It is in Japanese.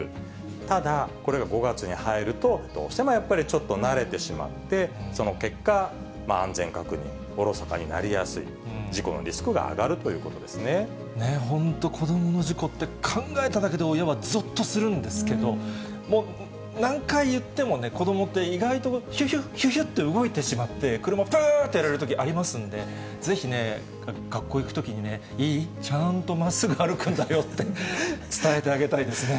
ただこれが５月に入ると、どうしてもやっぱりちょっと慣れてしまって、その結果、安全確認おろそかになりやすい、事故のリスクがねぇ、本当子どもの事故って、考えただけで親はぞっとするんですけど、もう何回言ってもね、子どもって意外とひゅひゅっ、ひゅひゅって動いてしまって、車ぷーってやられるときありますんで、ぜひね、学校行くときにね、いい？ちゃんとまっすぐ歩くんだよって、伝えてあげたいですね。